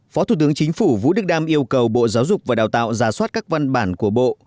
phó thủ tướng chính phủ vũ đức đam yêu cầu bộ giáo dục và đào tạo ra soát các văn bản của bộ